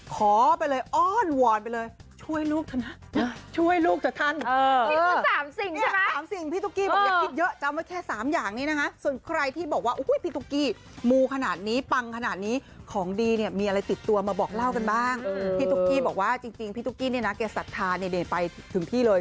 ข้อสามขอไปเลยอ้อนวอนไปเลย